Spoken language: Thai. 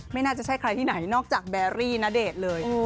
ไม่น่าจะใช่ใครที่ไหนนอกจากแบรี่ณเดชน์เลย